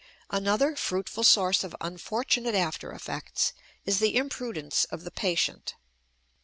Another fruitful source of unfortunate after effects is the imprudence of the patient.